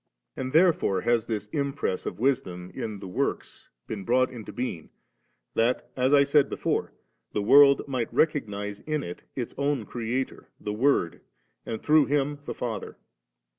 * And therefore has this impress of Wisdom in the works been brought into being, that, as I said before, the world might re cognise in it its own Creator the Word, and through Him the Father.